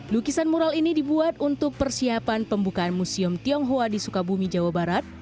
lukisan mural ini dibuat untuk persiapan pembukaan museum tionghoa di sukabumi jawa barat